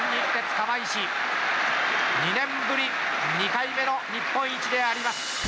釜石２年ぶり２回目の日本一であります。